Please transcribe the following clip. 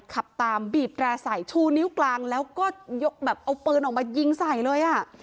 ขับตามบีบแร่ใส่ชูนิ้วกลางแล้วก็ยกแบบเอาปืนออกมายิงใส่เลยอ่ะ